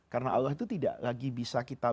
karena allah itu tidak lagi bisa kita